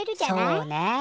そうね。